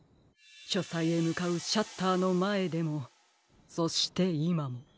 しょさいへむかうシャッターのまえでもそしていまも。